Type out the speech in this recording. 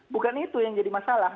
bukan itu yang jadi masalah